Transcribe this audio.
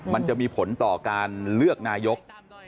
มันจะมีผลต่อการเลือกนายก